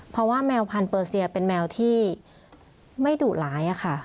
เพราะว่าแมวพันธเปอร์เซียเป็นแมวที่ไม่ดุร้ายค่ะ